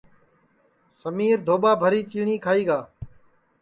سمِیر دھوٻا بھری چیٹی کھائی گا